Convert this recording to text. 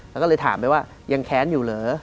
แล้วก็เลยถามไปว่ายังแค้นอยู่เหรอ